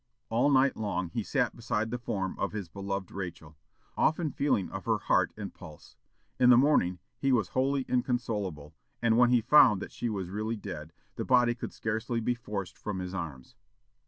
All night long he sat beside the form of his beloved Rachel, often feeling of her heart and pulse. In the morning he was wholly inconsolable, and, when he found that she was really dead, the body could scarcely be forced from his arms.